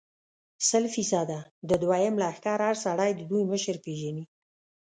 سل فیصده، د دوهم لښکر هر سړی د دوی مشره پېژني.